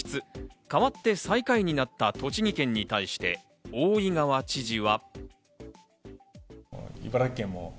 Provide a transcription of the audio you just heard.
代わって最下位になった栃木県に対して、大井川知事は。